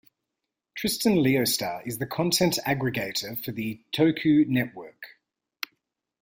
Tristan Leostar is the content aggregator for the Toku network.